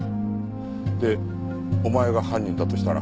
でお前が犯人だとしたら。